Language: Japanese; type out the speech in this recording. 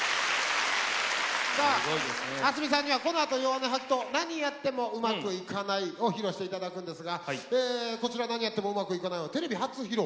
さあａｓｍｉさんにはこのあと「ヨワネハキ」と「なにやってもうまくいかない」を披露して頂くんですがこちら「なにやってもうまくいかない」はテレビ初披露。